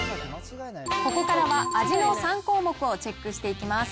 ここからは味の３項目をチェックしていきます。